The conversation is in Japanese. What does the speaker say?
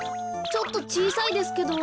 ちょっとちいさいですけど。